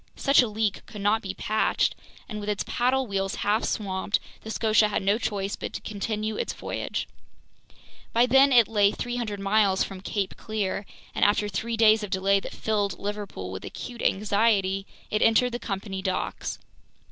Such a leak could not be patched, and with its paddle wheels half swamped, the Scotia had no choice but to continue its voyage. By then it lay 300 miles from Cape Clear, and after three days of delay that filled Liverpool with acute anxiety, it entered the company docks.